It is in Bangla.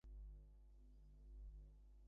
ধার ধারি না।